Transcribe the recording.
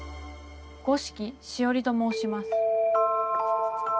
五色しおりと申します。